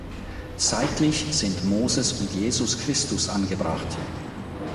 Seitlich sind Moses und Jesus Christus angebracht.